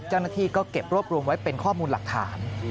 เจ้าหน้าที่ก็เก็บรวบรวมไว้เป็นข้อมูลหลักฐาน